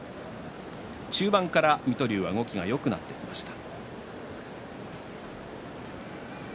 中盤から水戸龍は動きがよくなってきました。